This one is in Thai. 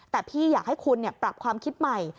แต่พี่อยากให้คุณปรับความคิดใหม่